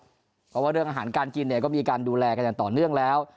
เพราะว่าเรื่องอาหารการกินเนี่ยก็มีการดูแลกันอย่างต่อเนื่องแล้ว